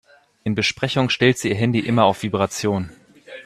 In Besprechungen stellt sie ihr Handy immer auf Vibration.